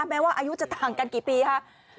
แม้ว่าอายุจะต่างกันกี่ปีค่ะ